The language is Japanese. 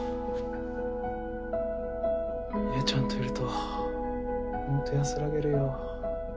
深愛ちゃんといると本当安らげるよ。